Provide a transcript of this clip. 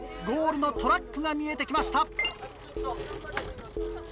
ゴールのトラックが見えて来ました。